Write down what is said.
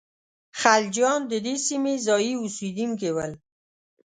خلجیان د دې سیمې ځايي اوسېدونکي ول.